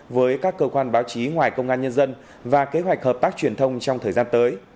với các cơ quan báo chí ngoài công an nhân dân và kế hoạch hợp tác truyền thông trong thời gian tới